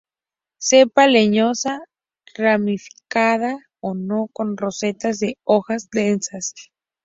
Cepa leñosa, ramificada o no, con rosetas de hojas densas.